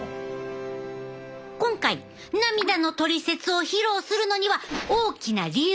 今回涙のトリセツを披露するのには大きな理由があるねん。